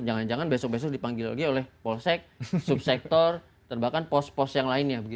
jangan jangan besok besok dipanggil lagi oleh polsek subsektor dan bahkan pos pos yang lainnya